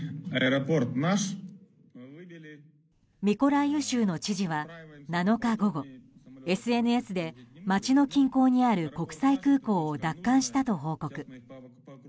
ミコライウ州の知事は７日午後ＳＮＳで街の近郊にある国際空港を奪還したと報告。